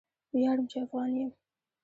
ویاړم چې افغان یم